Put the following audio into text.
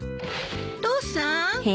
父さん。